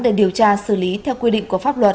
để điều tra xử lý theo quy định của pháp luật